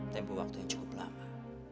tempo waktu yang cukup lama